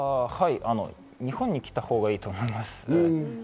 日本に来たほうがいいと思います。